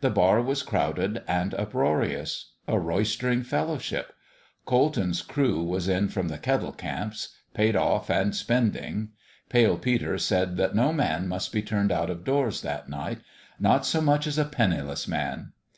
The bar was crowded and up roarious. A roistering fellowship ! Colton's crew was in from the Kettle Camps paid off 297 298 A MIRACLE at PALE PETER'S and spending. Pale Peter said that no man must be turned out of doors that night not so much as a penniless man.